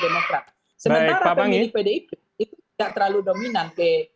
sementara pemilih pdip itu tidak terlalu dominan